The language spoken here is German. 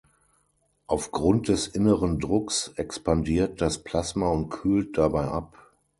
Aufgrund des inneren Drucks expandiert das Plasma und kühlt dabei ab.